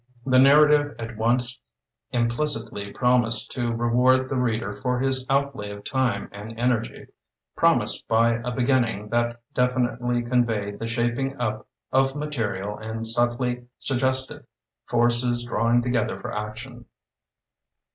The narrative at once implicitly promised to reward the reader for his outlay of time and energy, promised by a beginning that definitely conveyed the shaping up of material and subtly suggested forces drawing together for action.